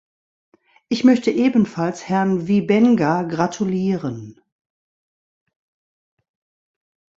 Ich möchte ebenfalls Herrn Wiebenga gratulieren.